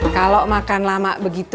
kalo makan lama begitu